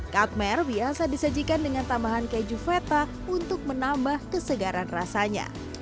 katmer biasa disajikan dengan tambahan keju veta untuk menambah kesegaran rasanya